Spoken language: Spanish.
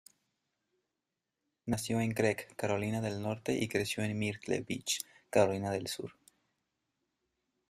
Nació en Creek, Carolina del Norte y creció en Myrtle Beach, Carolina del Sur.